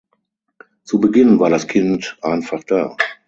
Zu Beginn war das Kind einfach da.